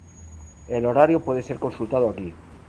El horario puede ser consultado aquí.